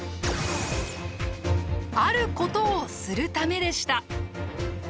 あることをするためでした。